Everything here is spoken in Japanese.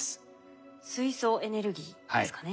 水素エネルギーですかね。